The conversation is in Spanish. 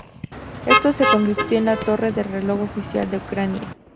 Esta se convirtió en la torre del reloj oficial de Ucrania.